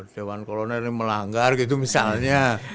dewan kolonel yang melanggar gitu misalnya